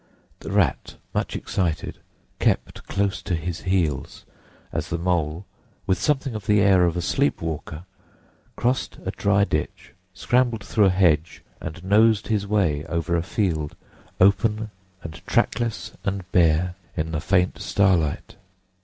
The Rat, much excited, kept close to his heels as the Mole, with something of the air of a sleep walker, crossed a dry ditch, scrambled through a hedge, and nosed his way over a field open and trackless and bare in the faint starlight.